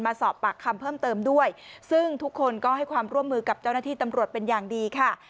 สอบปากคำเพิ่มเติมด้วยซึ่งทุกคนก็ให้ความร่วมมือกับเจ้าหน้าที่ตำรวจเป็นอย่างดีค่ะ